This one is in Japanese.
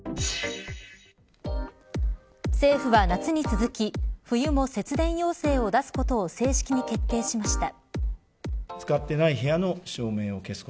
政府は夏に続き、冬も節電要請を出すことを正式に決定しました。